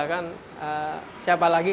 dan siapa lagi